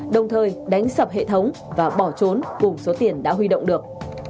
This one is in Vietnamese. đồng thời đánh sập hệ thống và bỏ trốn cùng số tiền đã huy động được